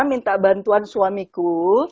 minta bantuan suamiku